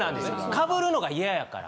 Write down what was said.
かぶるのが嫌やから。